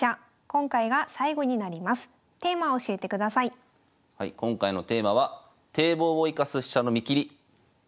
今回のテーマは「堤防を生かす飛車の見切り」です。